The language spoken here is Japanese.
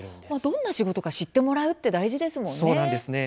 どんな仕事か知ってもらうって大事ですもんね。